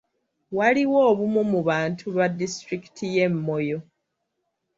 Waliwo obumu mu bantu ba disitulikiti y'e Moyo.